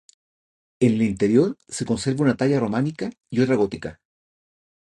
En el interior se conserva una talla románica y otra gótica.